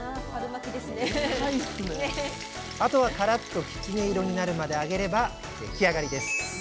あとはカラッときつね色になるまで揚げれば出来上がりです。